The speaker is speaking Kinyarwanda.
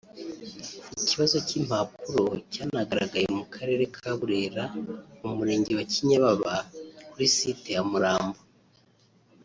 Ikibazo cy’impapuro cyanagaragaye mu Karere ka Burera mu Murenge wa Kinyababa kuri site ya Murambo